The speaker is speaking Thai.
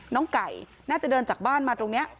ไก่น่าจะเดินจากบ้านมาตรงนี้